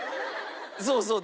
そうそう！